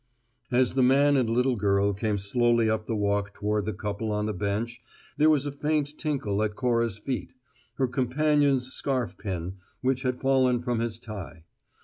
As the man and little girl came slowly up the walk toward the couple on the bench there was a faint tinkle at Cora's feet: her companion's scarfpin, which had fallen from his tie.